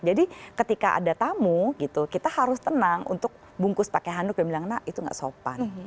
jadi ketika ada tamu kita harus tenang untuk bungkus pakai handuk dan bilang nah itu nggak sopan